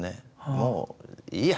「もういいや！